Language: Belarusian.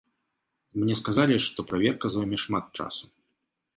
Мне сказалі, што праверка зойме шмат часу.